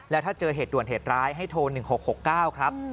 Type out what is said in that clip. แล้วถ้าเจอเหตุด่วนเหตุร้ายให้โทร๑๖๖๙ครับ